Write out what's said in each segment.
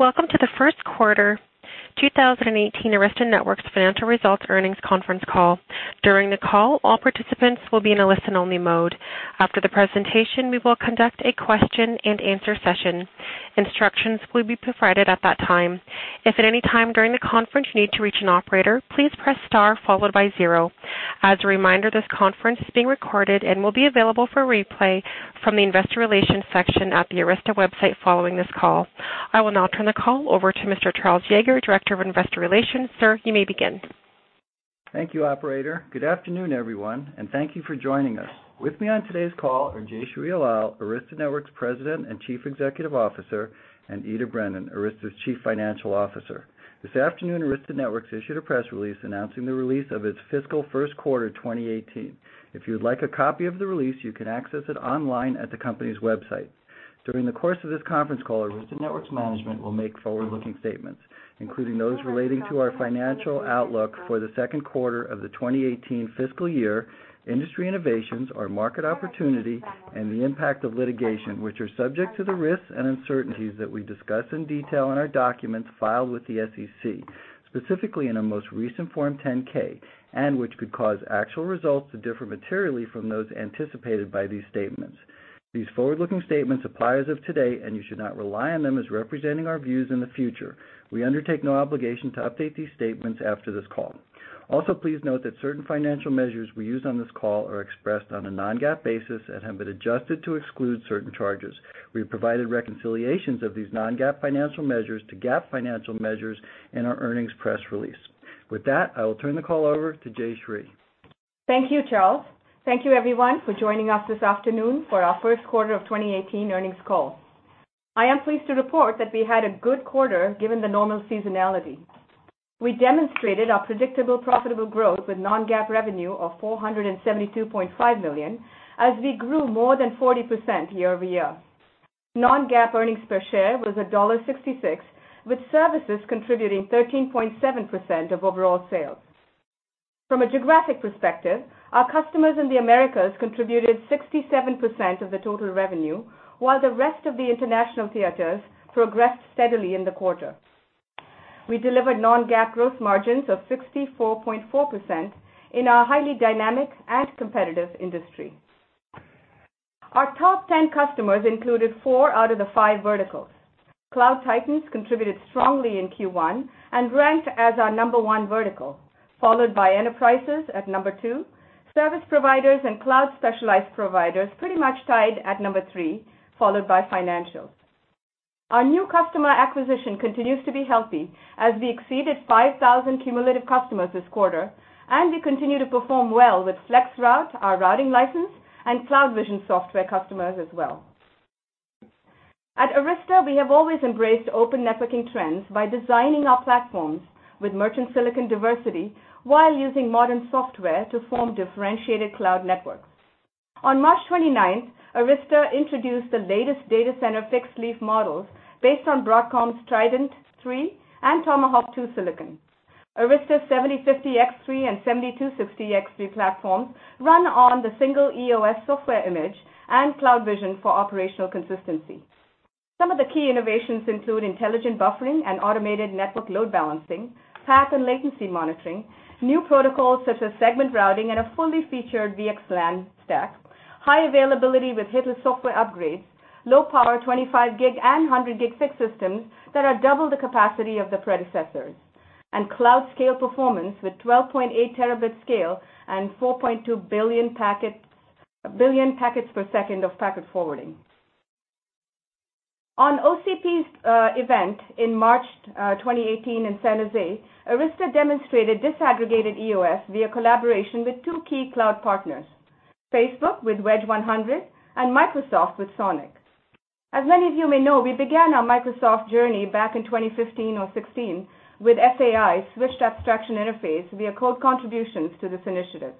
Welcome to the first quarter 2018 Arista Networks financial results earnings conference call. During the call, all participants will be in a listen-only mode. After the presentation, we will conduct a question and answer session. Instructions will be provided at that time. If at any time during the conference you need to reach an operator, please press star followed by zero. As a reminder, this conference is being recorded and will be available for replay from the investor relations section at the Arista website following this call. I will now turn the call over to Mr. Charles Yager, Director of Investor Relations. Sir, you may begin. Thank you, operator. Good afternoon, everyone, and thank you for joining us. With me on today's call are Jayshree Ullal, Arista Networks President and Chief Executive Officer, and Ita Brennan, Arista's Chief Financial Officer. This afternoon, Arista Networks issued a press release announcing the release of its fiscal first quarter 2018. If you'd like a copy of the release, you can access it online at the company's website. During the course of this conference call, Arista Networks management will make forward-looking statements, including those relating to our financial outlook for the second quarter of the 2018 fiscal year, industry innovations, our market opportunity, and the impact of litigation, which are subject to the risks and uncertainties that we discuss in detail in our documents filed with the SEC, specifically in our most recent Form 10-K, and which could cause actual results to differ materially from those anticipated by these statements. These forward-looking statements apply as of today, and you should not rely on them as representing our views in the future. We undertake no obligation to update these statements after this call. Please note that certain financial measures we use on this call are expressed on a non-GAAP basis and have been adjusted to exclude certain charges. We have provided reconciliations of these non-GAAP financial measures to GAAP financial measures in our earnings press release. With that, I will turn the call over to Jayshree. Thank you, Charles. Thank you everyone for joining us this afternoon for our first quarter of 2018 earnings call. I am pleased to report that we had a good quarter given the normal seasonality. We demonstrated our predictable profitable growth with non-GAAP revenue of $472.5 million as we grew more than 40% year-over-year. Non-GAAP earnings per share was $1.66, with services contributing 13.7% of overall sales. From a geographic perspective, our customers in the Americas contributed 67% of the total revenue, while the rest of the international theaters progressed steadily in the quarter. We delivered non-GAAP gross margins of 64.4% in our highly dynamic and competitive industry. Our top ten customers included four out of the five verticals. Cloud titans contributed strongly in Q1 and ranked as our number 1 vertical, followed by enterprises at number 2, service providers and cloud specialized providers pretty much tied at number 3, followed by financials. Our new customer acquisition continues to be healthy as we exceeded 5,000 cumulative customers this quarter, and we continue to perform well with FlexRoute, our routing license, and CloudVision software customers as well. At Arista, we have always embraced open networking trends by designing our platforms with merchant silicon diversity while using modern software to form differentiated cloud networks. On March 29th, Arista introduced the latest data center fixed leaf models based on Broadcom's Trident 3 and Tomahawk 2 silicon. Arista's 7050X3 and 7260X3 platforms run on the single EOS software image and CloudVision for operational consistency. Some of the key innovations include intelligent buffering and automated network load balancing, packet and latency monitoring, new protocols such as Segment Routing and a fully featured VXLAN stack, high availability with hitless software upgrades, low power 25 gig and 100 gig fixed systems that are double the capacity of the predecessors, and cloud scale performance with 12.8 terabit scale and 4.2 billion packets per second of packet forwarding. On Open Compute Project's event in March 2018 in San Jose, Arista demonstrated disaggregated EOS via collaboration with two key cloud partners: Facebook with Wedge 100 and Microsoft with SONiC. As many of you may know, we began our Microsoft journey back in 2015 or 2016 with SAI, Switch Abstraction Interface, via code contributions to this initiative.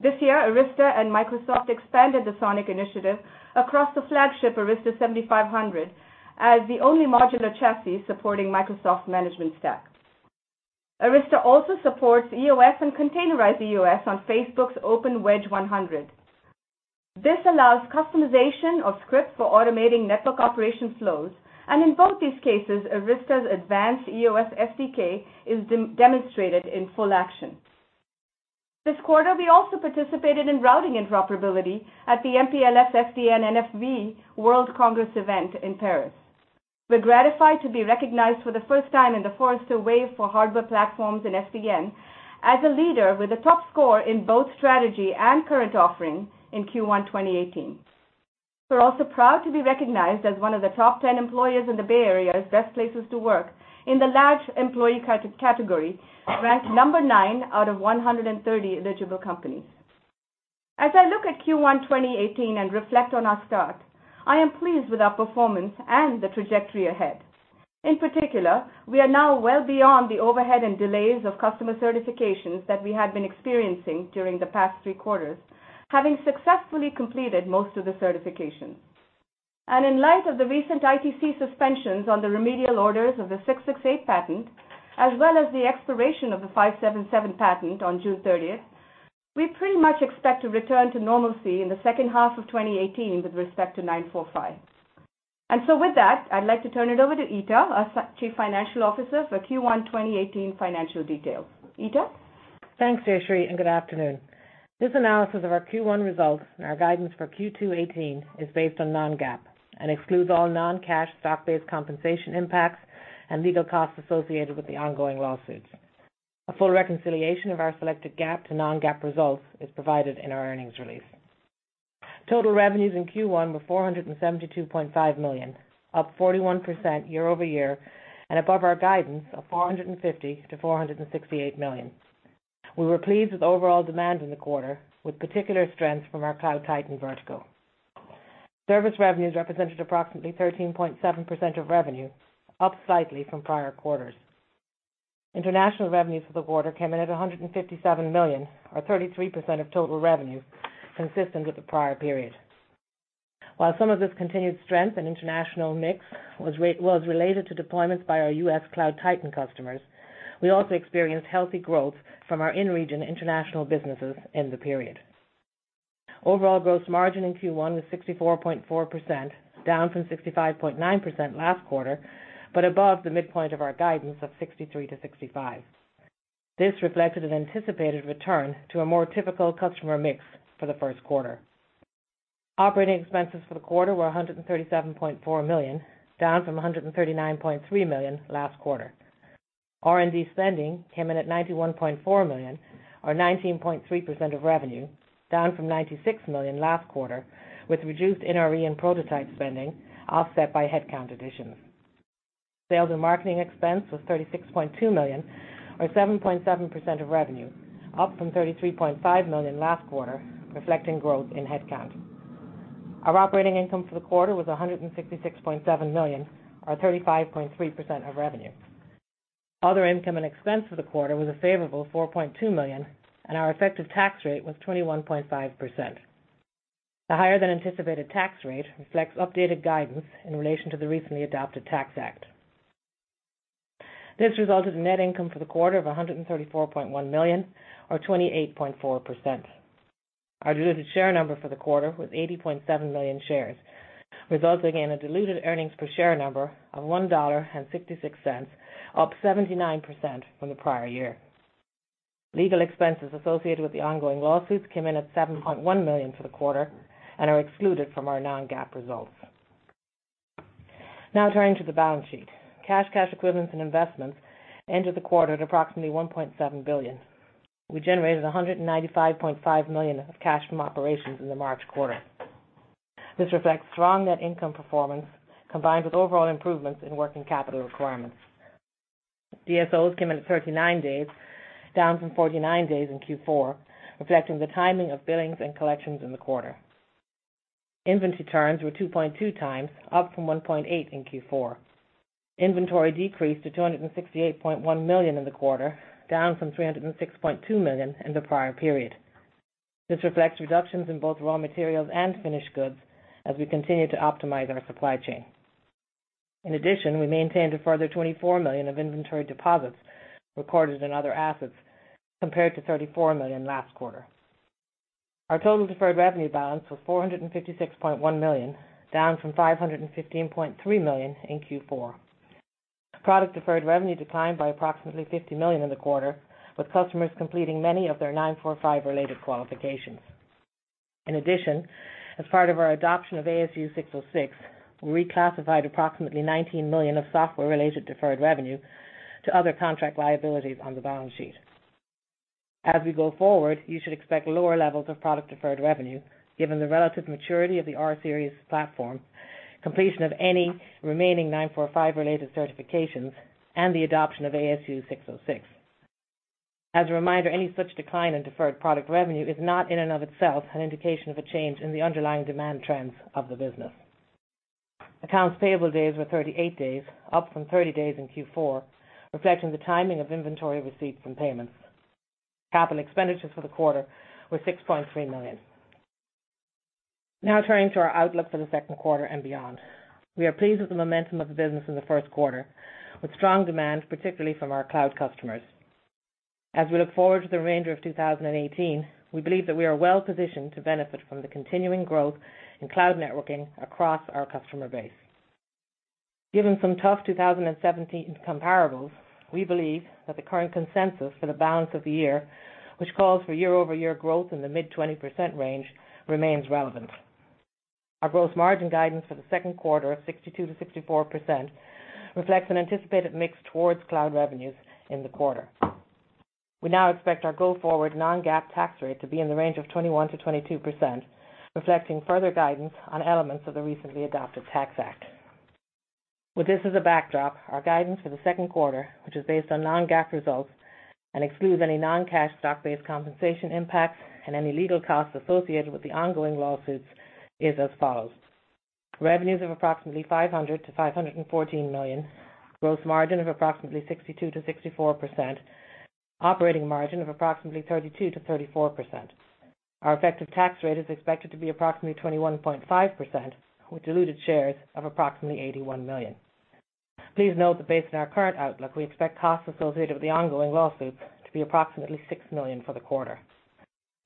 This year, Arista and Microsoft expanded the SONiC initiative across the flagship Arista 7500 as the only modular chassis supporting Microsoft management stack. Arista also supports EOS and Containerized EOS on Facebook's open Wedge 100. This allows customization of script for automating network operation flows. In both these cases, Arista's advanced EOS SDK is demonstrated in full action. This quarter, we also participated in routing interoperability at the MPLS + SDN + NFV World Congress event in Paris. We're gratified to be recognized for the first time in the Forrester Wave for hardware platforms in SDN as a leader with a top score in both strategy and current offerings in Q1 2018. We're also proud to be recognized as one of the top 10 employers in the Bay Area's best places to work in the large employee category, ranked number 9 out of 130 eligible companies. As I look at Q1 2018 and reflect on our start, I am pleased with our performance and the trajectory ahead. In particular, we are now well beyond the overhead and delays of customer certifications that we had been experiencing during the past three quarters, having successfully completed most of the certifications. In light of the recent ITC suspensions on the remedial orders of the '668 patent, as well as the expiration of the '577 patent on June 30th, we pretty much expect to return to normalcy in the second half of 2018 with respect to 9.4.5. With that, I'd like to turn it over to Ita, our Chief Financial Officer, for Q1 2018 financial details. Ita? Thanks, Jayshree, and good afternoon. This analysis of our Q1 results and our guidance for Q2 2018 is based on non-GAAP and excludes all non-cash stock-based compensation impacts and legal costs associated with the ongoing lawsuits. A full reconciliation of our selected GAAP to non-GAAP results is provided in our earnings release. Total revenues in Q1 were $472.5 million, up 41% year-over-year and above our guidance of $450 million-$468 million. We were pleased with overall demand in the quarter, with particular strength from our Cloud Titan vertical. Service revenues represented approximately 13.7% of revenue, up slightly from prior quarters. International revenues for the quarter came in at $157 million, or 33% of total revenue, consistent with the prior period. While some of this continued strength in international mix was related to deployments by our U.S. Cloud Titan customers, we also experienced healthy growth from our in-region international businesses in the period. Overall gross margin in Q1 was 64.4%, down from 65.9% last quarter, but above the midpoint of our guidance of 63%-65%. This reflected an anticipated return to a more typical customer mix for the first quarter. Operating expenses for the quarter were $137.4 million, down from $139.3 million last quarter. R&D spending came in at $91.4 million, or 19.3% of revenue, down from $96 million last quarter, with reduced NRE and prototype spending offset by headcount additions. Sales and marketing expense was $36.2 million, or 7.7% of revenue, up from $33.5 million last quarter, reflecting growth in headcount. Our operating income for the quarter was $166.7 million, or 35.3% of revenue. Other income and expense for the quarter was a favorable $4.2 million, and our effective tax rate was 21.5%. The higher than anticipated tax rate reflects updated guidance in relation to the recently adopted Tax Act. This resulted in net income for the quarter of $134.1 million, or 28.4%. Our diluted share number for the quarter was 80.7 million shares, resulting in a diluted earnings per share number of $1.66, up 79% from the prior year. Legal expenses associated with the ongoing lawsuits came in at $7.1 million for the quarter, and are excluded from our non-GAAP results. Turning to the balance sheet. Cash, cash equivalents, and investments ended the quarter at approximately $1.7 billion. We generated $195.5 million of cash from operations in the March quarter. This reflects strong net income performance combined with overall improvements in working capital requirements. DSOs came in at 39 days, down from 49 days in Q4, reflecting the timing of billings and collections in the quarter. Inventory turns were 2.2 times, up from 1.8 in Q4. Inventory decreased to $268.1 million in the quarter, down from $306.2 million in the prior period. This reflects reductions in both raw materials and finished goods as we continue to optimize our supply chain. In addition, we maintained a further $24 million of inventory deposits recorded in other assets, compared to $34 million last quarter. Our total deferred revenue balance was $456.1 million, down from $515.3 million in Q4. Product deferred revenue declined by approximately $50 million in the quarter, with customers completing many of their 9.4.5-related qualifications. In addition, as part of our adoption of ASC 606, we reclassified approximately $19 million of software-related deferred revenue to other contract liabilities on the balance sheet. As we go forward, you should expect lower levels of product deferred revenue, given the relative maturity of the R-Series platform, completion of any remaining 9.4.5-related certifications, and the adoption of ASC 606. As a reminder, any such decline in deferred product revenue is not in and of itself an indication of a change in the underlying demand trends of the business. Accounts payable days were 38 days, up from 30 days in Q4, reflecting the timing of inventory receipts and payments. Capital expenditures for the quarter were $6.3 million. Now turning to our outlook for the second quarter and beyond. We are pleased with the momentum of the business in the first quarter, with strong demand, particularly from our cloud customers. As we look forward to the remainder of 2018, we believe that we are well-positioned to benefit from the continuing growth in cloud networking across our customer base. Given some tough 2017 comparables, we believe that the current consensus for the balance of the year, which calls for year-over-year growth in the mid-20% range, remains relevant. Our gross margin guidance for the second quarter of 62%-64% reflects an anticipated mix towards cloud revenues in the quarter. We now expect our go-forward non-GAAP tax rate to be in the range of 21%-22%, reflecting further guidance on elements of the recently adopted Tax Act. With this as a backdrop, our guidance for the second quarter, which is based on non-GAAP results and excludes any non-cash stock-based compensation impacts and any legal costs associated with the ongoing lawsuits, is as follows. Revenues of approximately $500 million-$514 million, gross margin of approximately 62%-64%, operating margin of approximately 32%-34%. Our effective tax rate is expected to be approximately 21.5%, with diluted shares of approximately 81 million. Please note that based on our current outlook, we expect costs associated with the ongoing lawsuits to be approximately $6 million for the quarter.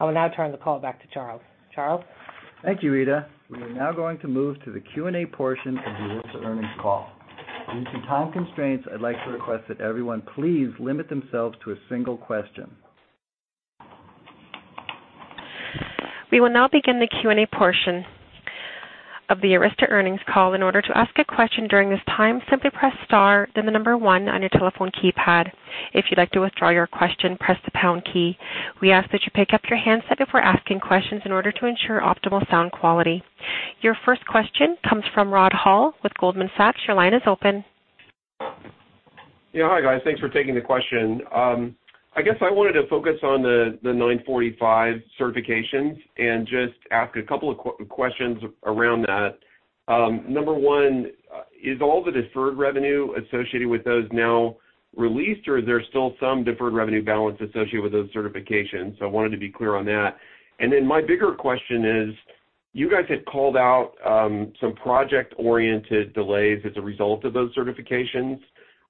I will now turn the call back to Charles. Charles? Thank you, Ita. We are now going to move to the Q&A portion of the Arista earnings call. Due to time constraints, I'd like to request that everyone please limit themselves to a single question. We will now begin the Q&A portion of the Arista earnings call. In order to ask a question during this time, simply press star then the number one on your telephone keypad. If you'd like to withdraw your question, press the pound key. We ask that you pick up your handset if we're asking questions in order to ensure optimal sound quality. Your first question comes from Rod Hall with Goldman Sachs. Your line is open. Yeah. Hi, guys. Thanks for taking the question. I guess I wanted to focus on the 945 certifications and just ask a couple of questions around that. Number 1, is all the deferred revenue associated with those now released, or is there still some deferred revenue balance associated with those certifications? I wanted to be clear on that. My bigger question is, you guys had called out some project-oriented delays as a result of those certifications.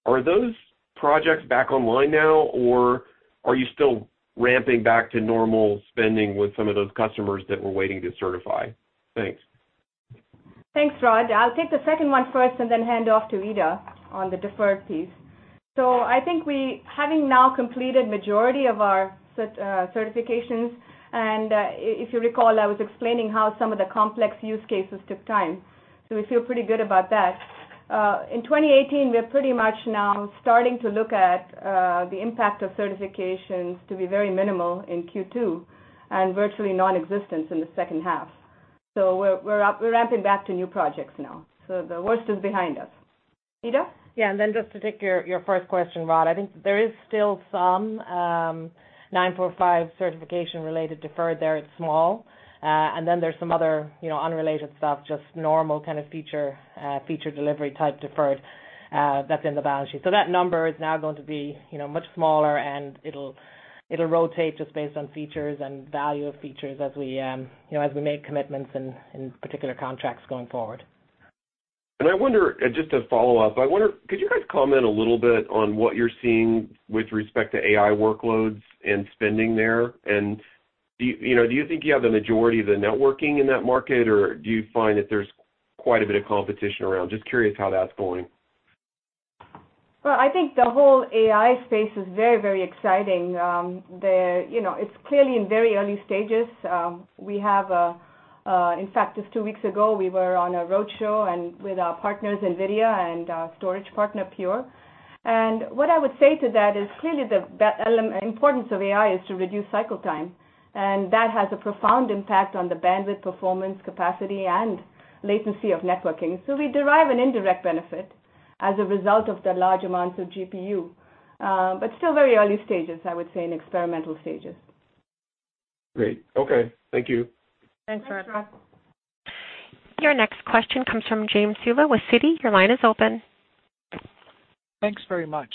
Are those projects back online now, or are you still ramping back to normal spending with some of those customers that were waiting to certify? Thanks. Thanks, Rod. I'll take the second one first and then hand off to Ita on the deferred piece. I think we, having now completed majority of our certifications, and if you recall, I was explaining how some of the complex use cases took time. We feel pretty good about that. In 2018, we're pretty much now starting to look at the impact of certifications to be very minimal in Q2 and virtually non-existent in the second half. We're ramping back to new projects now, so the worst is behind us. Ita? Just to take your first question, Rod, I think there is still some 945 certification-related deferred there. It's small. There's some other unrelated stuff, just normal kind of feature delivery type deferred that's in the balance sheet. That number is now going to be much smaller, and it'll rotate just based on features and value of features as we make commitments in particular contracts going forward. I wonder, just to follow up, could you guys comment a little bit on what you're seeing with respect to AI workloads and spending there, and do you think you have the majority of the networking in that market, or do you find that there's quite a bit of competition around? Just curious how that's going. Well, I think the whole AI space is very exciting. It's clearly in very early stages. In fact, just two weeks ago, we were on a roadshow with our partners, NVIDIA and our storage partner, Pure. What I would say to that is clearly the importance of AI is to reduce cycle time, and that has a profound impact on the bandwidth, performance, capacity, and latency of networking. We derive an indirect benefit as a result of the large amounts of GPU. Still very early stages, I would say, in experimental stages. Great. Okay. Thank you. Thanks, Rod. Your next question comes from James Suva with Citi. Your line is open. Thanks very much.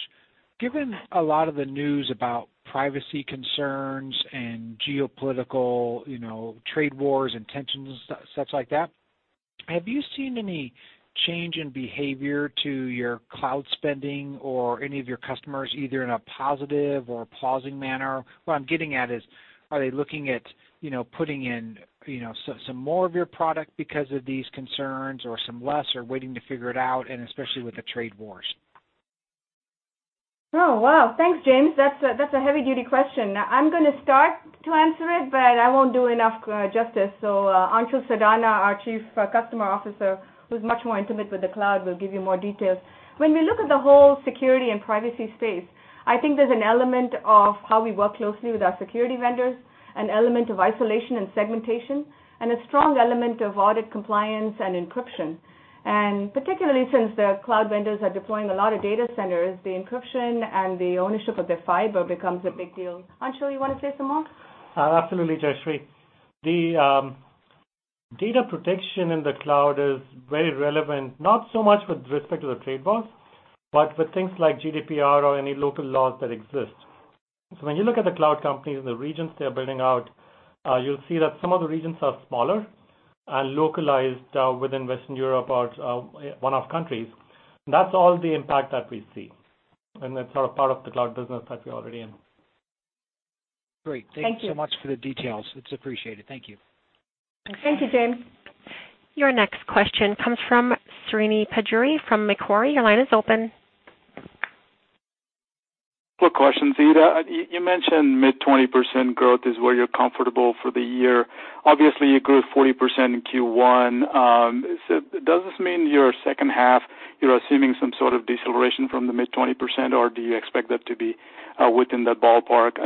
Given a lot of the news about privacy concerns and geopolitical trade wars and tensions, such like that, have you seen any change in behavior to your cloud spending or any of your customers, either in a positive or pausing manner? What I'm getting at is, are they looking at putting in some more of your product because of these concerns or some less, or waiting to figure it out, and especially with the trade wars? Oh, wow. Thanks, James. That's a heavy-duty question. I'm going to start to answer it, but I won't do enough justice. Anshul Sadana, our Chief Customer Officer, who's much more intimate with the cloud, will give you more details. When we look at the whole security and privacy space, I think there's an element of how we work closely with our security vendors, an element of isolation and segmentation, and a strong element of audit compliance and encryption. Particularly since the cloud vendors are deploying a lot of data centers, the encryption and the ownership of the fiber becomes a big deal. Anshul, you want to say some more? Absolutely, Jayshree. The data protection in the cloud is very relevant, not so much with respect to the trade wars, but with things like GDPR or any local laws that exist. When you look at the cloud companies and the regions they are building out, you'll see that some of the regions are smaller and localized within Western Europe or one-off countries. That's all the impact that we see. That's all part of the cloud business that we're already in. Great. Thank you so much for the details. It's appreciated. Thank you. Thank you, James. Your next question comes from Srini Pajjuri from Macquarie. Your line is open. Quick questions, Ita. You mentioned mid-20% growth is where you're comfortable for the year. Obviously, you grew 40% in Q1. Does this mean your second half, you're assuming some sort of deceleration from the mid-20%, or do you expect that to be within that ballpark?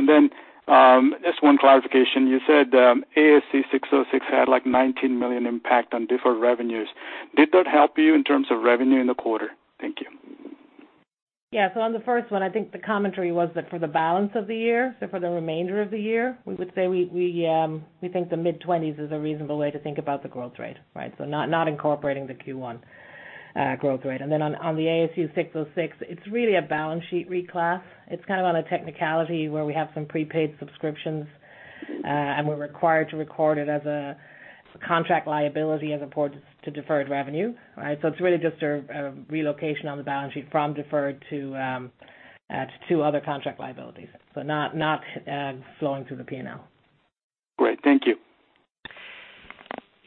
Just one clarification. You said ASC 606 had, like, $19 million impact on deferred revenues. Did that help you in terms of revenue in the quarter? Thank you. On the first one, I think the commentary was that for the balance of the year, so for the remainder of the year, we would say we think the mid-20s is a reasonable way to think about the growth rate, right? Not incorporating the Q1 growth rate. On the ASC 606, it's really a balance sheet reclass. It's kind of on a technicality where we have some prepaid subscriptions, and we're required to record it as a Contract liability as opposed to deferred revenue. It's really just a relocation on the balance sheet from deferred to other contract liabilities, but not flowing through the P&L. Great. Thank you.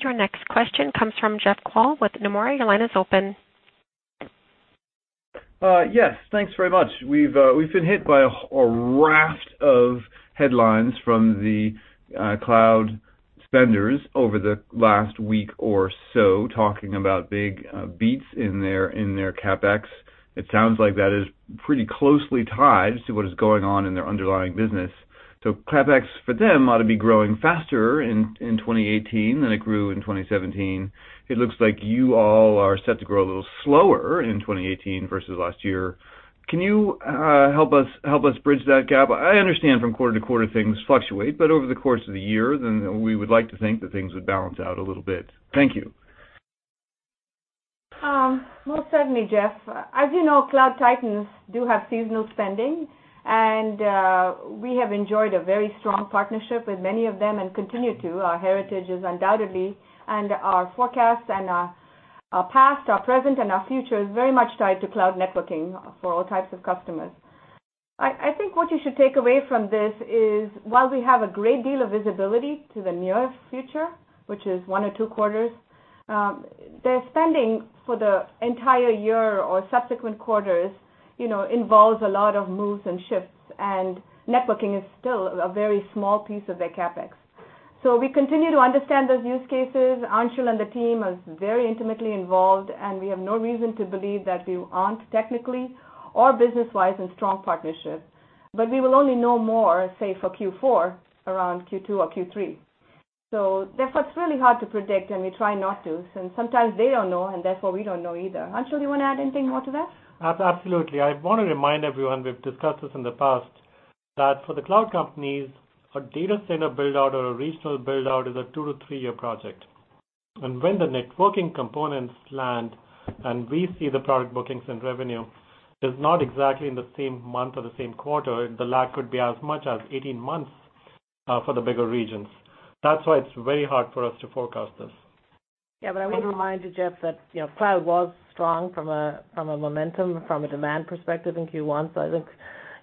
Your next question comes from Jeff Kvaal with Nomura. Your line is open. Thanks very much. We've been hit by a raft of headlines from the cloud spenders over the last week or so, talking about big beats in their CapEx. It sounds like that is pretty closely tied to what is going on in their underlying business. CapEx for them ought to be growing faster in 2018 than it grew in 2017. It looks like you all are set to grow a little slower in 2018 versus last year. Can you help us bridge that gap? I understand from quarter to quarter things fluctuate, but over the course of the year, we would like to think that things would balance out a little bit. Thank you. Most certainly, Jeff. As you know, cloud titans do have seasonal spending, and we have enjoyed a very strong partnership with many of them and continue to. Our heritage is undoubtedly, and our forecasts and our past, our present, and our future is very much tied to cloud networking for all types of customers. I think what you should take away from this is, while we have a great deal of visibility to the near future, which is one or two quarters, their spending for the entire year or subsequent quarters involves a lot of moves and shifts, and networking is still a very small piece of their CapEx. We continue to understand those use cases. Anshul and the team are very intimately involved, and we have no reason to believe that we aren't technically or business-wise in strong partnerships. We will only know more, say, for Q4, around Q2 or Q3. Therefore, it's really hard to predict, and we try not to since sometimes they don't know, and therefore we don't know either. Anshul, you want to add anything more to that? Absolutely. I want to remind everyone, we've discussed this in the past, that for the cloud companies, a data center build-out or a regional build-out is a two-to-three-year project. When the networking components land and we see the product bookings and revenue, it's not exactly in the same month or the same quarter. The lag could be as much as 18 months for the bigger regions. That's why it's very hard for us to forecast this. Yeah, I will remind you, Jeff, that cloud was strong from a momentum, from a demand perspective in Q1. I think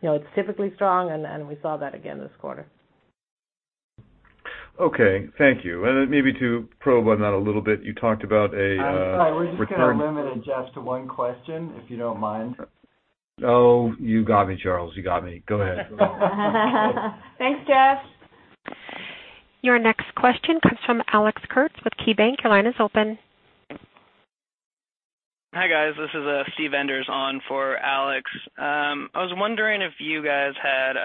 it's typically strong, and we saw that again this quarter. Okay. Thank you. Then maybe to probe on that a little bit, you talked about. I'm sorry, we're just going to limit it, Jeff, to one question, if you don't mind. Oh, you got me, Charles. You got me. Go ahead. Thanks, Jeff. Your next question comes from Alex Kurtz with KeyBanc. Your line is open. Hi, guys. This is Steven Enders on for Alex. I was wondering if you guys had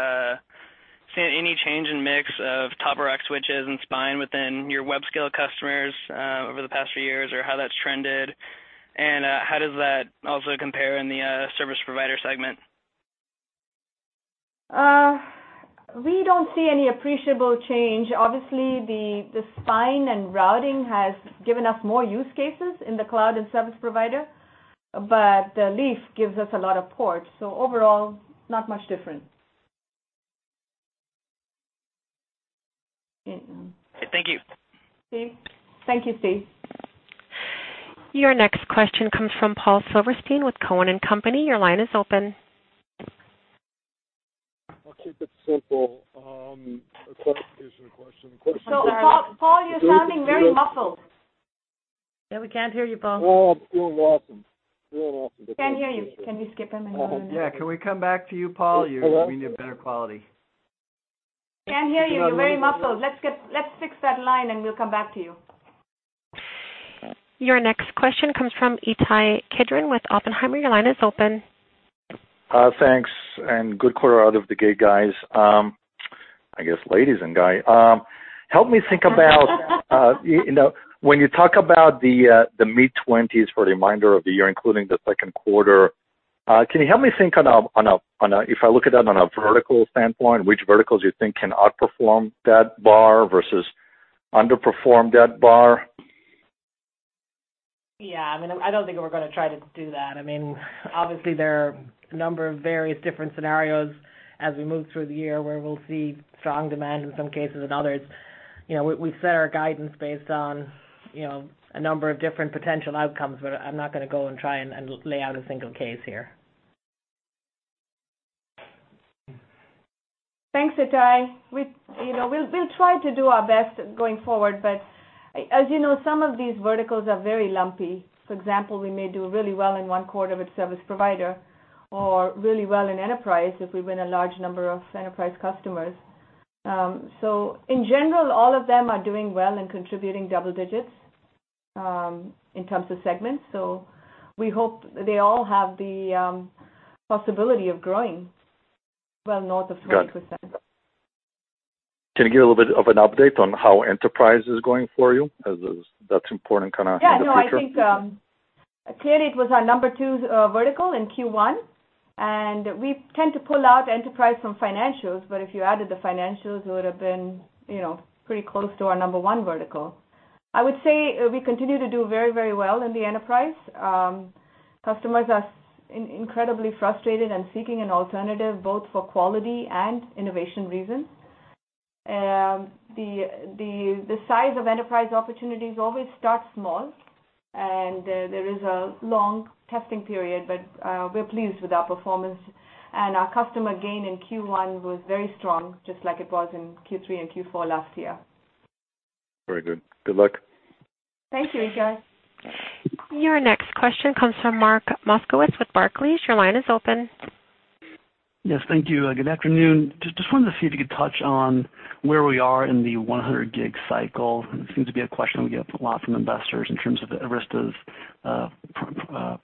seen any change in mix of top-of-rack switches and spine within your hyperscale customers over the past few years, or how that's trended, and how does that also compare in the service provider segment? We don't see any appreciable change. The spine and routing has given us more use cases in the cloud and service provider, but leaf gives us a lot of ports, so overall, not much difference. Thank you. Steve. Thank you, Steve. Your next question comes from Paul Silverstein with Cowen & Company. Your line is open. I'll keep it simple. A clarification question. Paul, you're sounding very muffled. Yeah, we can't hear you, Paul. Paul Can't hear you. Can you skip him and then we'll come back? Yeah, can we come back to you, Paul? We need better quality. Can't hear you. You're very muffled. Let's fix that line, and we'll come back to you. Your next question comes from Ittai Kidron with Oppenheimer. Your line is open. Thanks. Good quarter out of the gate, guys. I guess ladies and guy. Help me think about when you talk about the mid-20s for the remainder of the year, including the second quarter, can you help me think, if I look at that on a vertical standpoint, which verticals you think can outperform that bar versus underperform that bar? I don't think we're going to try to do that. Obviously there are a number of various different scenarios as we move through the year where we'll see strong demand in some cases and others. We set our guidance based on a number of different potential outcomes, but I'm not going to go and try and lay out a single case here. Thanks, Ittai. We'll try to do our best going forward, as you know, some of these verticals are very lumpy. For example, we may do really well in one quarter with service provider or really well in enterprise if we win a large number of enterprise customers. In general, all of them are doing well and contributing double digits in terms of segments. We hope they all have the possibility of growing well north of 40%. Got it. Can you give a little bit of an update on how enterprise is going for you, as that's important going forward? I think clearly it was our number 2 vertical in Q1, we tend to pull out enterprise from financials. If you added the financials, it would've been pretty close to our number 1 vertical. I would say we continue to do very well in the enterprise. Customers are incredibly frustrated and seeking an alternative, both for quality and innovation reasons. The size of enterprise opportunities always start small, there is a long testing period, we're pleased with our performance. Our customer gain in Q1 was very strong, just like it was in Q3 and Q4 last year. Very good. Good luck. Thank you, Ittai. Your next question comes from Mark Moskowitz with Barclays. Your line is open. Thank you. Good afternoon. Just wanted to see if you could touch on where we are in the 100G cycle. It seems to be a question we get a lot from investors in terms of Arista's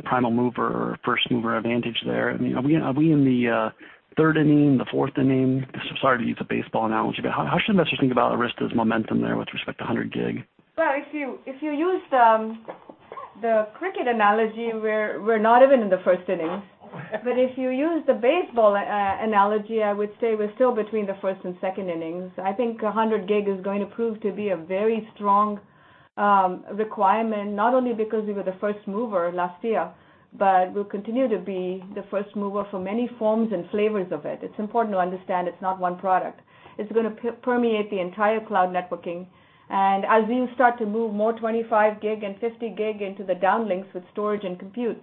prime mover or first-mover advantage there. Are we in the third inning, the fourth inning? Sorry to use a baseball analogy, but how should investors think about Arista's momentum there with respect to 100G? Well, if you use the cricket analogy, we're not even in the first inning. If you use the baseball analogy, I would say we're still between the first and second innings. I think 100G is going to prove to be a very strong requirement, not only because we were the first mover last year, but we'll continue to be the first mover for many forms and flavors of it. It's important to understand it's not one product. It's going to permeate the entire cloud networking, and as we start to move more 25 gig and 50 gig into the downlinks with storage and compute,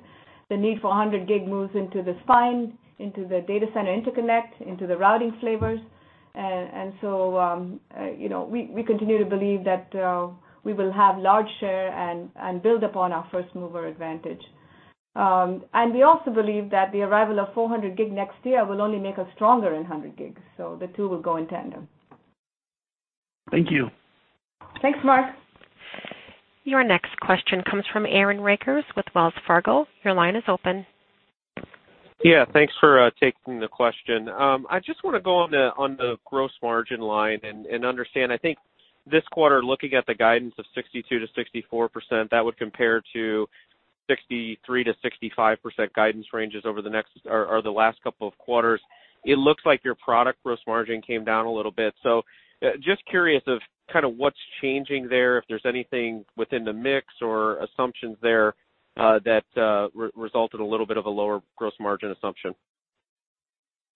the need for 100G moves into the spine, into the data center interconnect, into the routing flavors. We continue to believe that we will have large share and build upon our first-mover advantage. We also believe that the arrival of 400G next year will only make us stronger in 100G. The two will go in tandem. Thank you. Thanks, Mark. Your next question comes from Aaron Rakers with Wells Fargo. Your line is open. Yeah, thanks for taking the question. I just want to go on the gross margin line and understand, I think this quarter, looking at the guidance of 62%-64%, that would compare to 63%-65% guidance ranges over the last couple of quarters. Just curious of what's changing there, if there's anything within the mix or assumptions there that resulted a little bit of a lower gross margin assumption.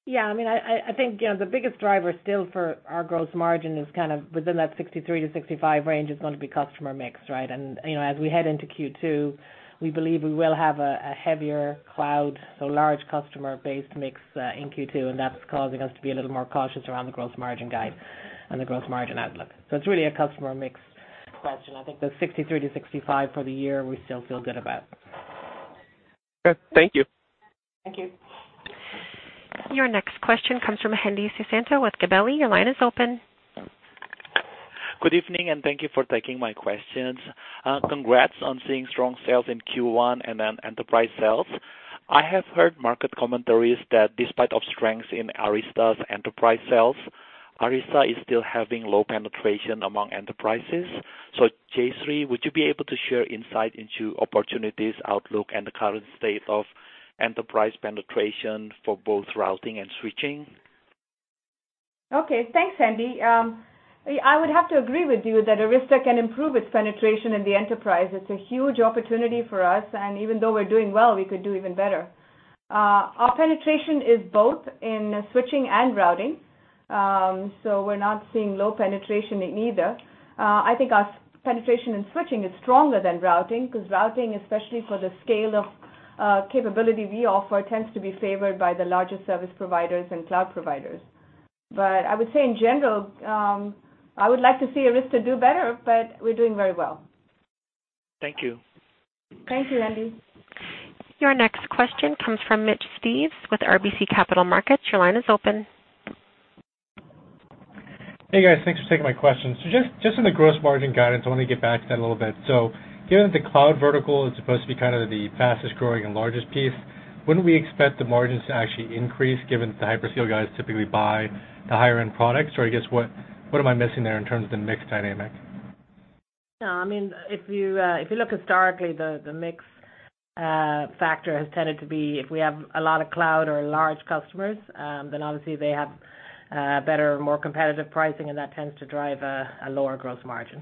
Yeah, I think the biggest driver still for our gross margin is within that 63-65 range is going to be customer mix. As we head into Q2, we believe we will have a heavier cloud, so large customer-based mix in Q2. That's causing us to be a little more cautious around the gross margin guide and the gross margin outlook. It's really a customer mix question. I think the 63-65 for the year, we still feel good about. Okay. Thank you. Thank you. Your next question comes from Hendi Susanto with Gabelli. Your line is open. Good evening, and thank you for taking my questions. Congrats on seeing strong sales in Q1 and then enterprise sales. I have heard market commentaries that despite of strengths in Arista's enterprise sales, Arista is still having low penetration among enterprises. Jayshree, would you be able to share insight into opportunities, outlook, and the current state of enterprise penetration for both routing and switching? Okay. Thanks, Hendi. I would have to agree with you that Arista can improve its penetration in the enterprise. It's a huge opportunity for us, and even though we're doing well, we could do even better. Our penetration is both in switching and routing, we're not seeing low penetration in either. I think our penetration in switching is stronger than routing, because routing, especially for the scale of capability we offer, tends to be favored by the larger service providers and cloud providers. I would say in general, I would like to see Arista do better, but we're doing very well. Thank you. Thank you, Hendi. Your next question comes from Mitch Steves with RBC Capital Markets. Your line is open. Hey, guys. Thanks for taking my questions. Just on the gross margin guidance, I want to get back to that a little bit. Given that the cloud vertical is supposed to be the fastest-growing and largest piece, wouldn't we expect the margins to actually increase given that the hyperscale guys typically buy the higher-end products? Or I guess, what am I missing there in terms of the mix dynamic? If you look historically, the mix factor has tended to be, if we have a lot of cloud or large customers, then obviously they have better, more competitive pricing, and that tends to drive a lower gross margin.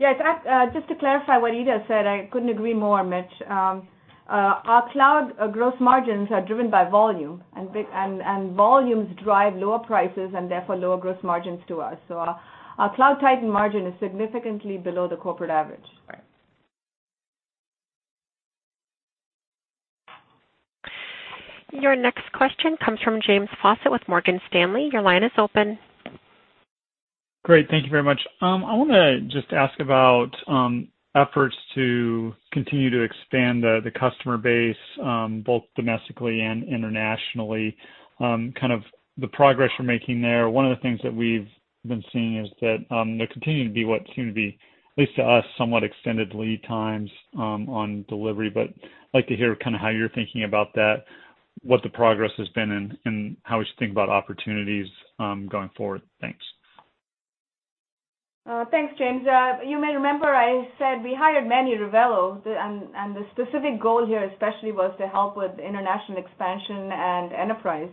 Just to clarify what Ita said, I couldn't agree more, Mitch. Our cloud gross margins are driven by volume, volumes drive lower prices and therefore lower gross margins to us. Our cloud titan margin is significantly below the corporate average. Right. Your next question comes from James Faucette with Morgan Stanley. Your line is open. Thank you very much. I want to just ask about efforts to continue to expand the customer base both domestically and internationally, the progress you're making there. One of the things that we've been seeing is that there continue to be what seem to be, at least to us, somewhat extended lead times on delivery, I'd like to hear how you're thinking about that, what the progress has been, and how we should think about opportunities going forward. Thanks. Thanks, James. You may remember I said we hired Manny Rivelo, and the specific goal here especially was to help with international expansion and enterprise.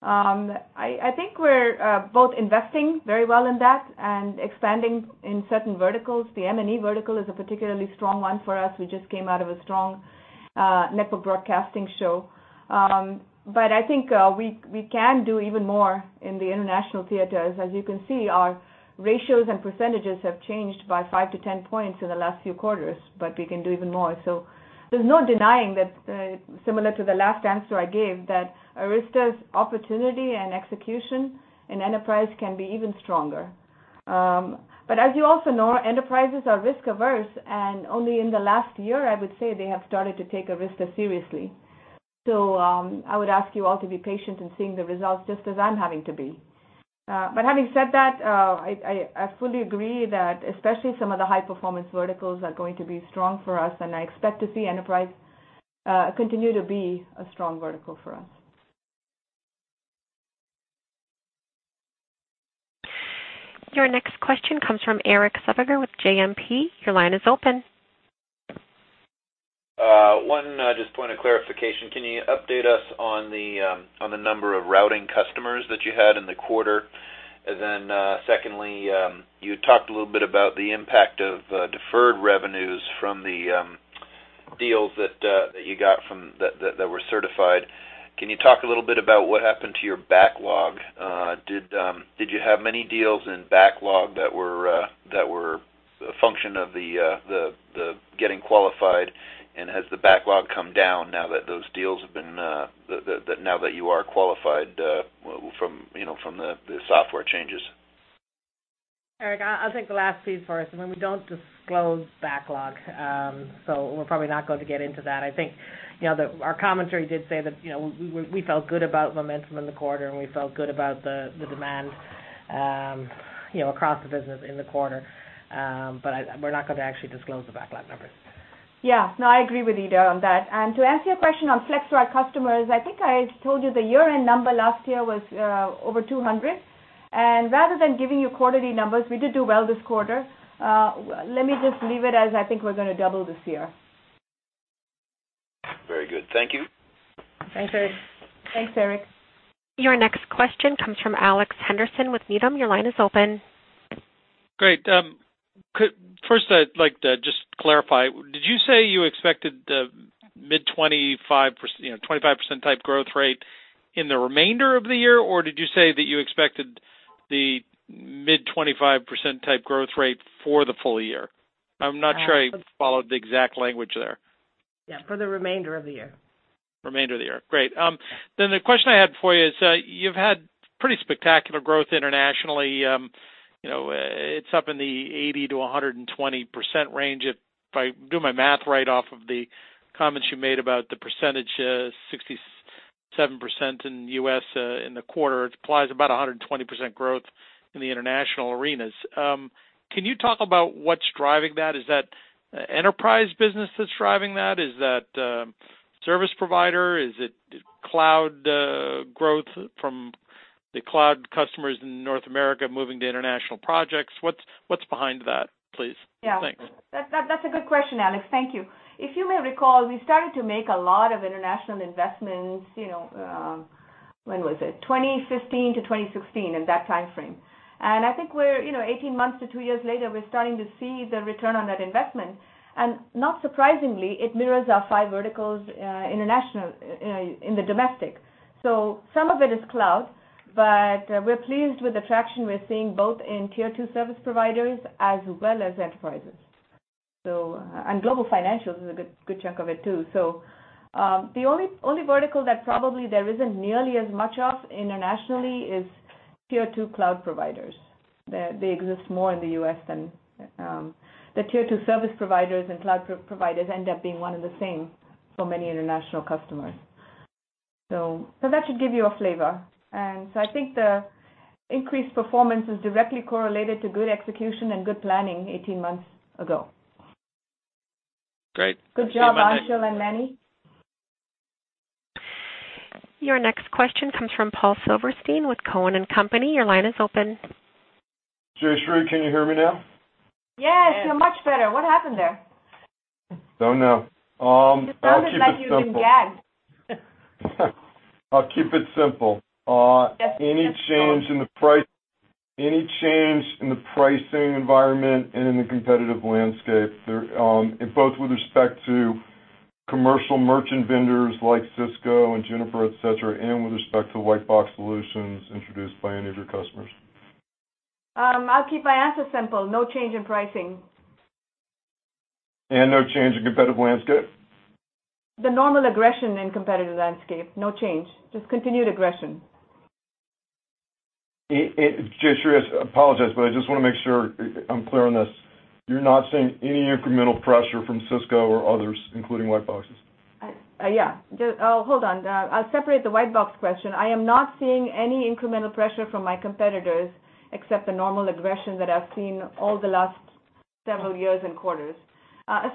I think we're both investing very well in that and expanding in certain verticals. The M&E vertical is a particularly strong one for us. We just came out of a strong network broadcasting show. I think we can do even more in the international theaters. As you can see, our ratios and percentages have changed by 5-10 points in the last few quarters, but we can do even more. There's no denying that, similar to the last answer I gave, that Arista's opportunity and execution in enterprise can be even stronger. As you also know, enterprises are risk-averse, and only in the last year, I would say, they have started to take Arista seriously. I would ask you all to be patient in seeing the results just as I'm having to be. Having said that, I fully agree that especially some of the high-performance verticals are going to be strong for us, and I expect to see enterprise continue to be a strong vertical for us. Your next question comes from Erik Suppiger with JMP. Your line is open. One just point of clarification. Can you update us on the number of routing customers that you had in the quarter? Secondly, you talked a little bit about the impact of deferred revenues from the deals that were certified. Can you talk a little bit about what happened to your backlog? Did you have many deals in backlog that were a function of the getting qualified, and has the backlog come down now that you are qualified from the software changes? Erik, I'll take the last piece for us. We don't disclose backlog, we're probably not going to get into that. I think our commentary did say that we felt good about momentum in the quarter, and we felt good about the demand across the business in the quarter. We're not going to actually disclose the backlog numbers. Yeah. No, I agree with Ita on that. To answer your question on FlexRoute customers, I think I told you the year-end number last year was over 200. Rather than giving you quarterly numbers, we did do well this quarter. Let me just leave it as I think we're going to double this year. Very good. Thank you. Thanks, Erik. Thanks, Erik. Your next question comes from Alex Henderson with Needham. Your line is open. Great. First I'd like to just clarify, did you say you expected the mid-25% type growth rate in the remainder of the year, or did you say that you expected the mid-25% type growth rate for the full year? I'm not sure I followed the exact language there. Yeah. For the remainder of the year. Remaining of the year. Great. The question I had for you is, you've had pretty spectacular growth internationally. It is up in the 80%-120% range. If I do my math right off of the comments you made about the percentage, 67% in the U.S. in the quarter, it implies about 120% growth in the international arenas. Can you talk about what's driving that? Is that enterprise business that's driving that? Is that service provider? Is it cloud growth from the cloud customers in North America moving to international projects? What's behind that, please? Thanks. Yeah. That's a good question, Alex. Thank you. If you may recall, we started to make a lot of international investments. When was it? 2015-2016, in that timeframe. I think we're 18 months to two years later, we're starting to see the return on that investment, not surprisingly, it mirrors our five verticals in the domestic. Some of it is cloud, we're pleased with the traction we're seeing both in tier 2 service providers as well as enterprises. Global financials is a good chunk of it, too. The only vertical that probably there isn't nearly as much of internationally is tier 2 cloud providers. They exist more in the U.S. than The tier 2 service providers and cloud providers end up being one and the same for many international customers. That should give you a flavor. I think the increased performance is directly correlated to good execution and good planning 18 months ago. Great. Good job, Anshul and Manny. Your next question comes from Paul Silverstein with Cowen & Company. Your line is open. Jayshree, can you hear me now? Yes, much better. What happened there? Don't know. I'll keep it simple. You sounded like you'd been gagged. I'll keep it simple. Yes, please. Any change in the pricing environment and in the competitive landscape, both with respect to commercial merchant vendors like Cisco and Juniper, et cetera, and with respect to white box solutions introduced by any of your customers? I'll keep my answer simple. No change in pricing. No change in competitive landscape? The normal aggression in competitive landscape. No change, just continued aggression. Jayshree, I apologize, but I just want to make sure I'm clear on this. You're not seeing any incremental pressure from Cisco or others, including white boxes? Yeah. Hold on. I'll separate the white box question. I am not seeing any incremental pressure from my competitors except the normal aggression that I've seen all the last several years and quarters.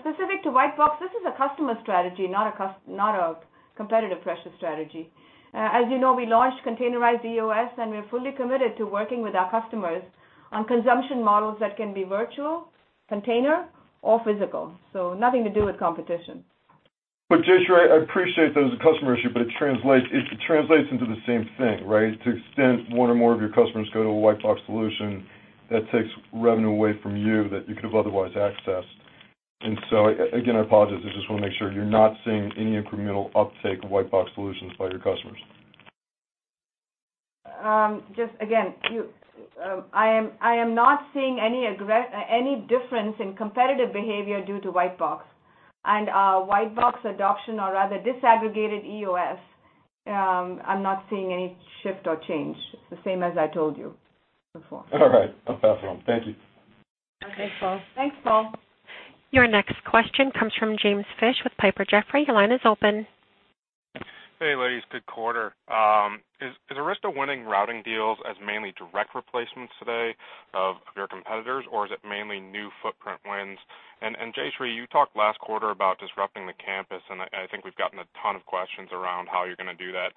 Specific to white box, this is a customer strategy, not a competitive pressure strategy. As you know, we launched Containerized EOS, and we're fully committed to working with our customers on consumption models that can be virtual, container, or physical. Nothing to do with competition. Jayshree, I appreciate that as a customer issue, but it translates into the same thing, right? To extent one or more of your customers go to a white box solution, that takes revenue away from you that you could have otherwise accessed. Again, I apologize. I just want to make sure you're not seeing any incremental uptake of white box solutions by your customers. Just again, I am not seeing any difference in competitive behavior due to white box and white box adoption or rather disaggregated EOS. I'm not seeing any shift or change. It's the same as I told you before. All right. No problem. Thank you. Okay. Paul. Thanks, Paul. Your next question comes from James Fish with Piper Jaffray. Your line is open. Hey, ladies, good quarter. Is Arista winning routing deals as mainly direct replacements today of your competitors, or is it mainly new footprint wins? Jayshree, you talked last quarter about disrupting the campus, and I think we've gotten a ton of questions around how you're going to do that.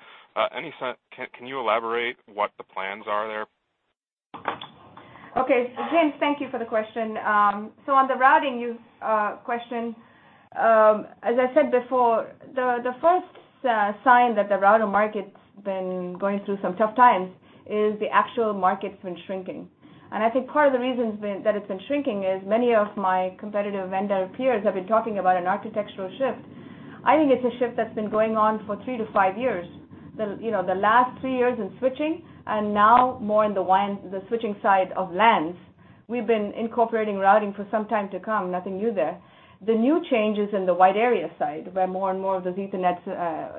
Any insight, can you elaborate what the plans are there? Okay. James, thank you for the question. On the routing question, as I said before, the first sign that the router market's been going through some tough times is the actual market's been shrinking. I think part of the reason that it's been shrinking is many of my competitive vendor peers have been talking about an architectural shift. I think it's a shift that's been going on for three to five years. The last three years in switching and now more in the switching side of LANs. We've been incorporating routing for some time to come, nothing new there. The new change is in the wide area side, where more and more of those Ethernet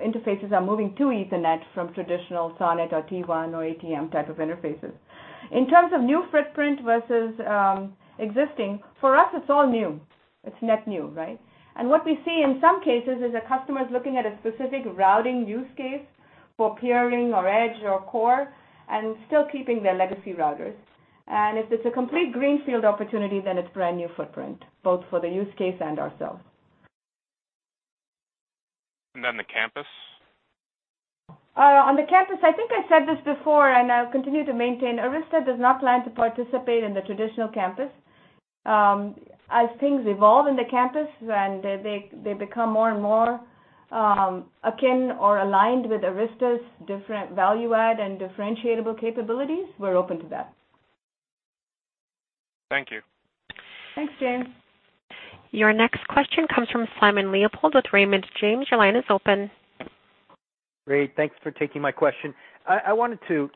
interfaces are moving to Ethernet from traditional SONET or T1 or ATM type of interfaces. In terms of new footprint versus existing, for us, it's all new. It's net new, right? What we see in some cases is a customer's looking at a specific routing use case for peering or edge or core and still keeping their legacy routers. If it's a complete greenfield opportunity, it's brand-new footprint, both for the use case and ourselves. Then the campus? On the campus, I think I said this before, and I'll continue to maintain, Arista does not plan to participate in the traditional campus. As things evolve in the campus and they become more and more akin or aligned with Arista's different value add and differentiable capabilities, we're open to that. Thank you. Thanks, James. Your next question comes from Simon Leopold with Raymond James. Your line is open. Great. Thanks for taking my question. I wanted to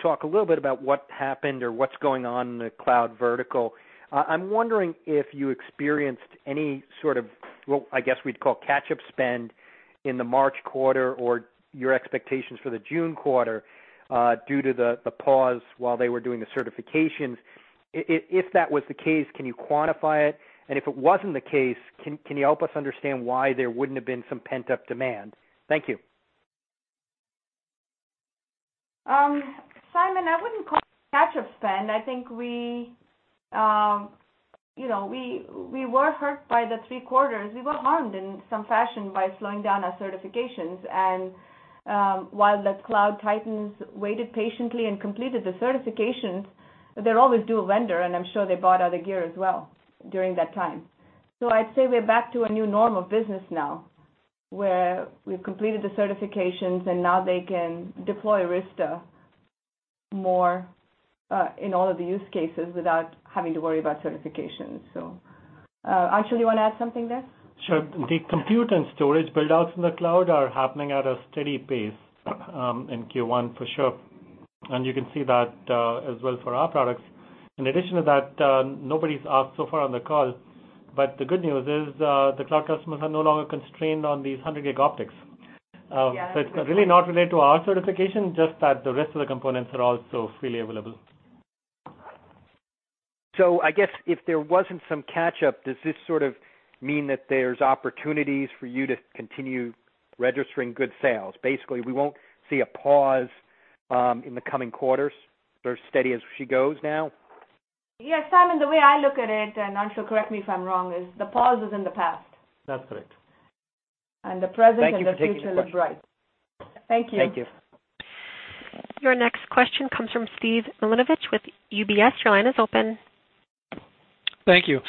talk a little bit about what happened or what's going on in the cloud vertical. I'm wondering if you experienced any sort of, well, I guess we'd call catch-up spend in the March quarter or your expectations for the June quarter, due to the pause while they were doing the certifications. If that was the case, can you quantify it? If it wasn't the case, can you help us understand why there wouldn't have been some pent-up demand? Thank you. Simon, I wouldn't call it catch-up spend. I think we were hurt by the three quarters. We were harmed in some fashion by slowing down our certifications. While the cloud titans waited patiently and completed the certifications, they're always dual vendor, and I'm sure they bought other gear as well during that time. I'd say we're back to a new normal business now, where we've completed the certifications, and now they can deploy Arista more, in all of the use cases without having to worry about certifications. Anshul, you want to add something there? Sure. The compute and storage build-outs in the cloud are happening at a steady pace, in Q1 for sure. You can see that as well for our products. Nobody's asked so far on the call, the good news is, the cloud customers are no longer constrained on these 100 gig optics. Yes. It's really not related to our certification, just that the rest of the components are also freely available. I guess if there wasn't some catch-up, does this sort of mean that there's opportunities for you to continue registering good sales? Basically, we won't see a pause, in the coming quarters. We're steady as she goes now? Yes, Simon, the way I look at it, and Anshul, correct me if I'm wrong, is the pause is in the past. That's correct. The present and the future look bright. Thank you for taking the question. Thank you. Thank you. Your next question comes from Steve Milunovich with UBS. Your line is open. Thank you.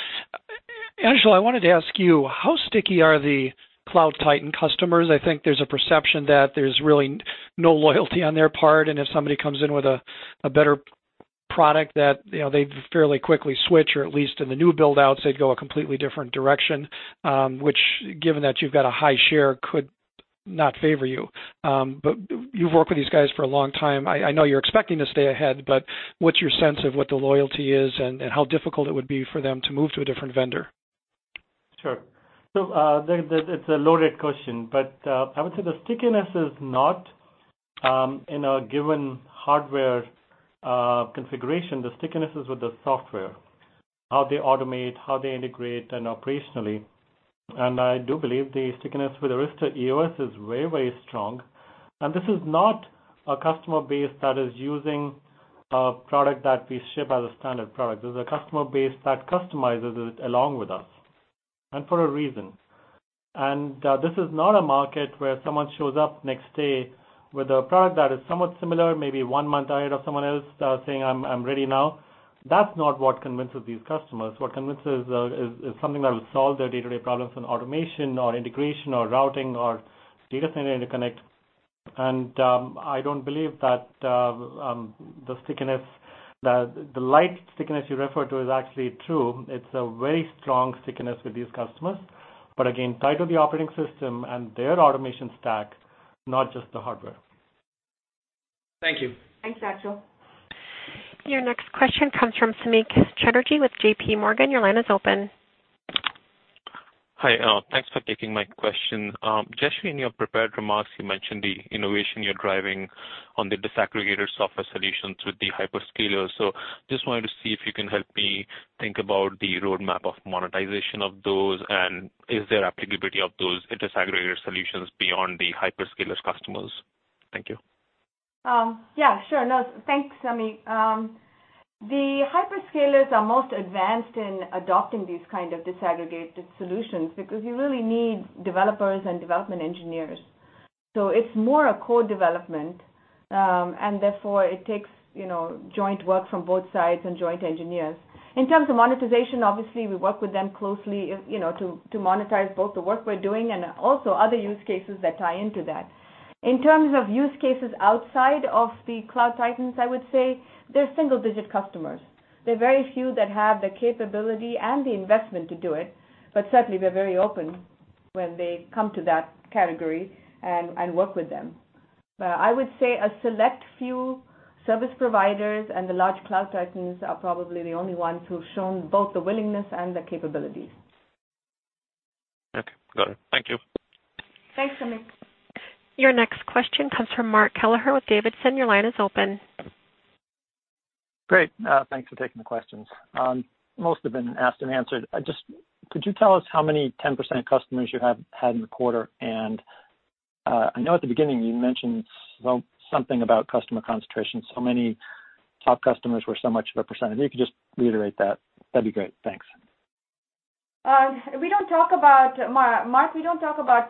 Anshul, I wanted to ask you, how sticky are the cloud titan customers? I think there's a perception that there's really no loyalty on their part, and if somebody comes in with a better product that they fairly quickly switch, or at least in the new build-outs, they go a completely different direction, which given that you've got a high share, could not favor you. You've worked with these guys for a long time. I know you're expecting to stay ahead, but what's your sense of what the loyalty is and how difficult it would be for them to move to a different vendor? Sure. It's a loaded question, but I would say the stickiness is not in a given hardware configuration. The stickiness is with the software, how they automate, how they integrate, and operationally. I do believe the stickiness with Arista EOS is very, very strong. This is not a customer base that is using a product that we ship as a standard product. This is a customer base that customizes it along with us, and for a reason. This is not a market where someone shows up next day with a product that is somewhat similar, maybe one month ahead of someone else, saying, "I'm ready now." That's not what convinces these customers. What convinces is something that will solve their day-to-day problems in automation or integration or routing or data center interconnect. I don't believe that the light stickiness you refer to is actually true. It's a very strong stickiness with these customers. Again, tied to the operating system and their automation stack, not just the hardware. Thank you. Thanks, Anshul. Your next question comes from Samik Chatterjee with JPMorgan. Your line is open. Hi. Thanks for taking my question. Jayshree, in your prepared remarks, you mentioned the innovation you're driving on the disaggregated software solutions with the hyperscalers. Just wanted to see if you can help me think about the roadmap of monetization of those, is there applicability of those disaggregated solutions beyond the hyperscalers customers? Thank you. Yeah, sure. Thanks, Samik. The hyperscalers are most advanced in adopting these kind of disaggregated solutions because you really need developers and development engineers. It's more a co-development, therefore it takes joint work from both sides and joint engineers. In terms of monetization, obviously we work with them closely to monetize both the work we're doing and also other use cases that tie into that. In terms of use cases outside of the cloud titans, I would say they're single-digit customers. There are very few that have the capability and the investment to do it, but certainly we're very open when they come to that category and work with them. I would say a select few service providers and the large cloud titans are probably the only ones who've shown both the willingness and the capabilities. Okay, got it. Thank you. Thanks, Samik. Your next question comes from Mark Kelleher with Davidson. Your line is open. Great. Thanks for taking the questions. Most have been asked and answered. Could you tell us how many 10% customers you had in the quarter? I know at the beginning you mentioned something about customer concentration. Many top customers were so much of a percentage. If you could just reiterate that'd be great. Thanks. Mark, we don't talk about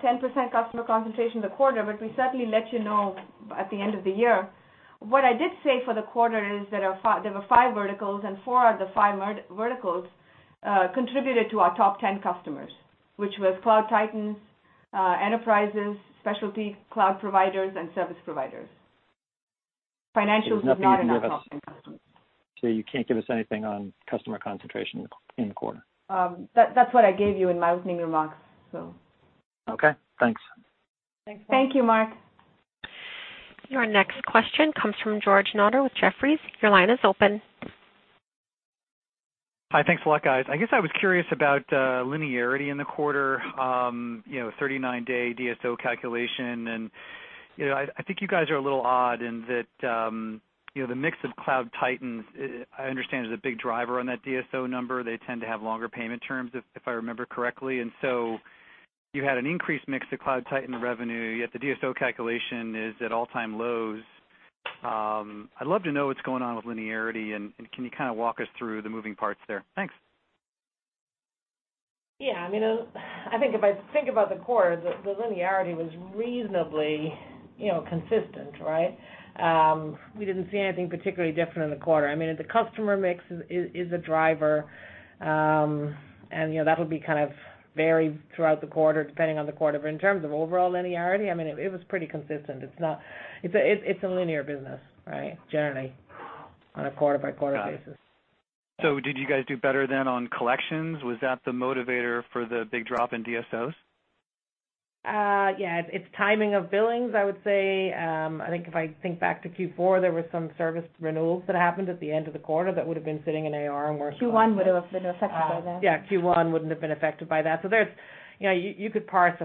10% customer concentration in the quarter. We certainly let you know at the end of the year. What I did say for the quarter is there were five verticals. Four of the five verticals contributed to our top 10 customers, which was cloud titans, enterprises, specialty cloud providers, and service providers. Financials was not in our top 10 customers. You can't give us anything on customer concentration in the quarter. That's what I gave you in my opening remarks. Okay. Thanks. Thanks. Thank you, Mark. Your next question comes from George Notter with Jefferies. Your line is open. Hi. Thanks a lot, guys. I guess I was curious about linearity in the quarter, 39-day DSO calculation. I think you guys are a little odd in that the mix of cloud titans, I understand, is a big driver on that DSO number. They tend to have longer payment terms, if I remember correctly. You had an increased mix of cloud titan revenue, yet the DSO calculation is at all-time lows. I'd love to know what's going on with linearity, and can you kind of walk us through the moving parts there? Thanks. Yeah. I think if I think about the quarter, the linearity was reasonably consistent, right? We didn't see anything particularly different in the quarter. The customer mix is a driver, that'll be kind of varied throughout the quarter depending on the quarter. In terms of overall linearity, it was pretty consistent. It's a linear business, right, generally on a quarter-by-quarter basis. Got it. Did you guys do better then on collections? Was that the motivator for the big drop in DSOs? Yeah. It's timing of billings, I would say. I think if I think back to Q4, there were some service renewals that happened at the end of the quarter that would've been sitting in AR. Q1 would've been affected by that. Yeah, Q1 wouldn't have been affected by that. You could parse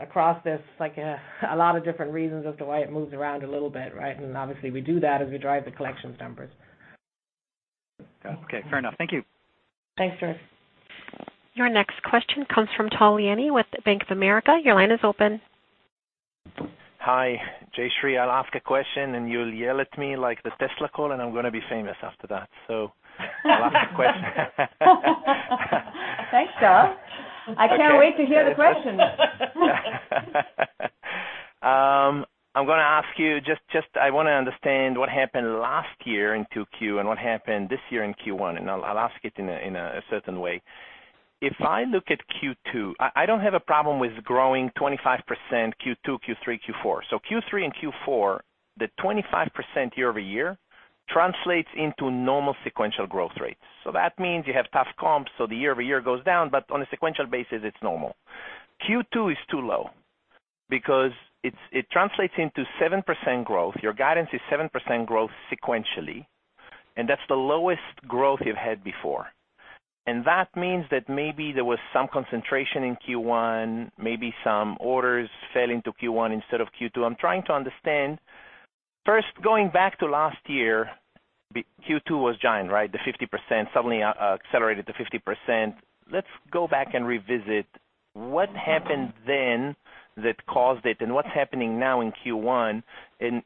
across this, like a lot of different reasons as to why it moves around a little bit, right? Obviously we do that as we drive the collections numbers. Okay. Fair enough. Thank you. Thanks, George. Your next question comes from Tal Liani with Bank of America. Your line is open. Hi. Jayshree, I'll ask a question and you'll yell at me like the Tesla call, and I'm going to be famous after that. I'll ask a question. Thanks, Tal. I can't wait to hear the question. I'm going to ask you, I want to understand what happened last year in 2Q and what happened this year in Q1, and I'll ask it in a certain way. If I look at Q2, I don't have a problem with growing 25% Q2, Q3, Q4. Q3 and Q4, the 25% year-over-year translates into normal sequential growth rates. That means you have tough comps, so the year-over-year goes down, but on a sequential basis, it's normal. Q2 is too low because it translates into 7% growth. Your guidance is 7% growth sequentially, and that's the lowest growth you've had before. That means that maybe there was some concentration in Q1, maybe some orders fell into Q1 instead of Q2. I'm trying to understand. First, going back to last year, Q2 was giant, right? The 50% suddenly accelerated to 50%. Let's go back and revisit what happened then that caused it, what's happening now in Q1,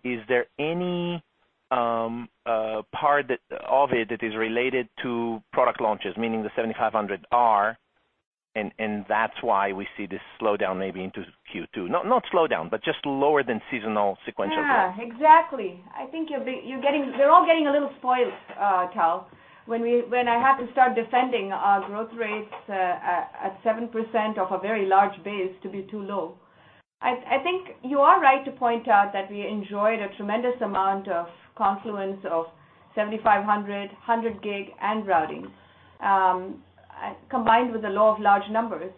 is there any part of it that is related to product launches, meaning the 7500R? That's why we see this slowdown maybe into Q2. Not slowdown, just lower than seasonal sequential growth. Yeah, exactly. I think they're all getting a little spoiled, Tal, when I have to start defending our growth rates at 7% off a very large base to be too low. I think you are right to point out that we enjoyed a tremendous amount of confluence of 7500, 100 Gig and routing, combined with the law of large numbers.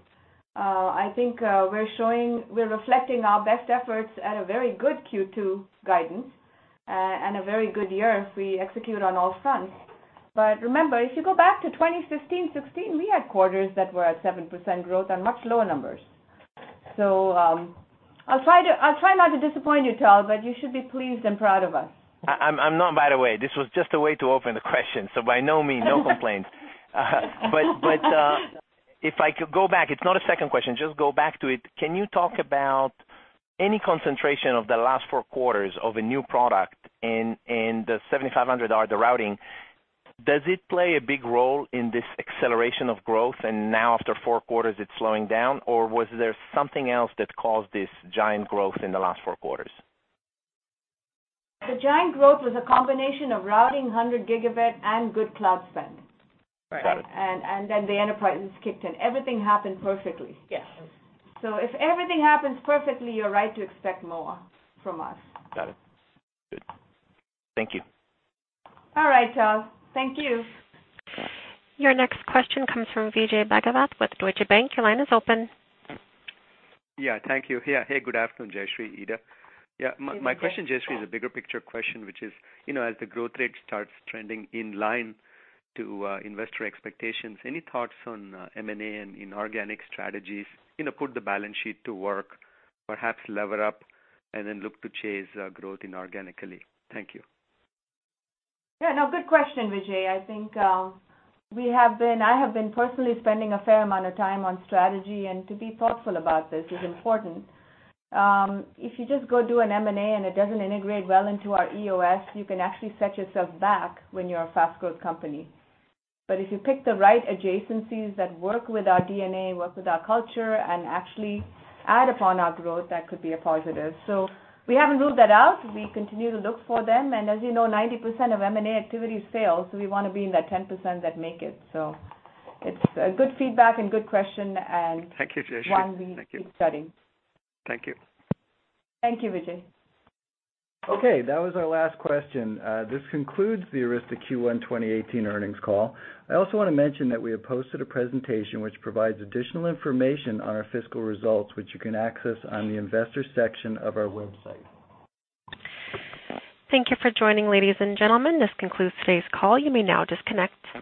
I think we're reflecting our best efforts at a very good Q2 guidance and a very good year if we execute on all fronts. Remember, if you go back to 2015, '16, we had quarters that were at 7% growth on much lower numbers. I'll try not to disappoint you, Tal, but you should be pleased and proud of us. I'm not, by the way, this was just a way to open the question. By no means, no complaints. If I could go back, it's not a second question, just go back to it. Can you talk about any concentration of the last four quarters of a new product in the 7500R, the routing? Does it play a big role in this acceleration of growth and now after four quarters, it's slowing down? Was there something else that caused this giant growth in the last four quarters? The giant growth was a combination of routing, 100 Gigabit, and good cloud spend. Got it. The enterprise kicked in. Everything happened perfectly. Yes. If everything happens perfectly, you're right to expect more from us. Got it. Good. Thank you. All right, Tal. Thank you. Your next question comes from Vijay Bhagavath with Deutsche Bank. Your line is open. Thank you. Hey, good afternoon, Jayshree, Ita. My question, Jayshree, is a bigger picture question, which is, as the growth rate starts trending in line to investor expectations, any thoughts on M&A and inorganic strategies? Put the balance sheet to work, perhaps lever up, then look to chase growth inorganically. Thank you. Good question, Vijay. I think I have been personally spending a fair amount of time on strategy, to be thoughtful about this is important. If you just go do an M&A and it doesn't integrate well into our EOS, you can actually set yourself back when you're a fast growth company. If you pick the right adjacencies that work with our DNA, work with our culture, and actually add upon our growth, that could be a positive. We haven't ruled that out. We continue to look for them, as you know, 90% of M&A activities fail. We want to be in that 10% that make it. It's a good feedback and good question. Thank you, Jayshree. Thank you one we keep studying. Thank you. Thank you, Vijay. Okay, that was our last question. This concludes the Arista Q1 2018 earnings call. I also want to mention that we have posted a presentation which provides additional information on our fiscal results, which you can access on the investor section of our website. Thank you for joining, ladies and gentlemen. This concludes today's call. You may now disconnect.